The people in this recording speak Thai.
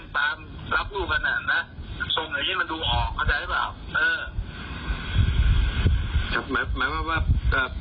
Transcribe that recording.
พูดถึงนี่นะอย่าไปคอยตาม